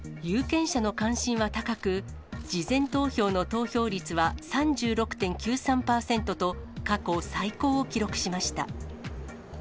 有権者の関心は高く、事前投票の投票率は３６．９３％と、過去最高を記録しました。